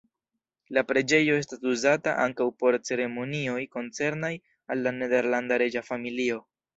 La preĝejo estas uzata ankaŭ por ceremonioj koncernaj al la nederlanda reĝa familio.